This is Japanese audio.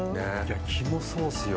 肝ソースよ。